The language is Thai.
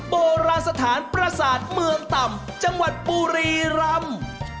โบราณสถานประสาทเมืองต่ำจังหวัดบุรีรำ